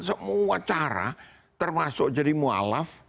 semua cara termasuk jadi mu'alaf